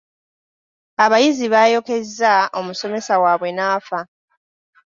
Abayizi baayokyezza omusomesa waabwe n'afa.